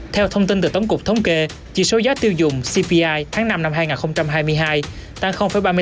theo thông tin từ tổng cục thống kê chỉ số giá tiêu dùng cpi tháng năm năm hai nghìn hai mươi hai tăng ba mươi hai